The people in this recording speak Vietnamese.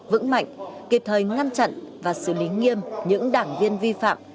vững mạnh kịp thời ngăn chặn và xử lý nghiêm những đảng viên vi phạm